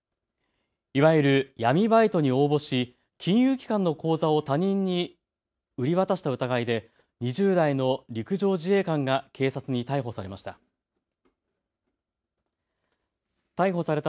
いわゆる闇バイトに応募し金融機関の口座を他人に売り渡した疑いで２０代の陸上自衛官が警察に逮捕されました。